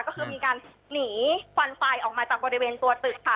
ก็คือมีการหนีควันไฟออกมาจากบริเวณตัวตึกค่ะ